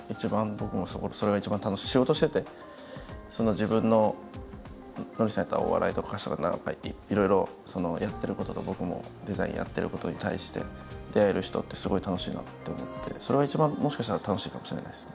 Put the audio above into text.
仕事してて自分のノリさんやったらお笑いとかいろいろやってることと僕もデザインやってることに対して出会える人ってすごい楽しいなって思ってそれが一番もしかしたら楽しいかもしれないですね。